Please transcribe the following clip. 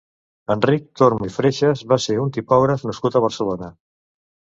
Enric Tormo i Freixes va ser un tipògraf nascut a Barcelona.